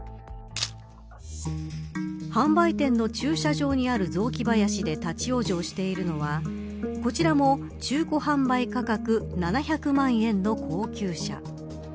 販売店の駐車場にある雑木林で立ち往生しているのはこちらも中古販売価格７００万円の高級車。